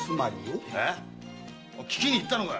聞きに行ったのかぃ？